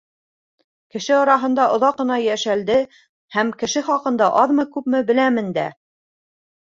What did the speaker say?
Кеше араһында оҙаҡ ҡына йәшәлде һәм кеше хаҡында аҙмы-күпме беләмен дә.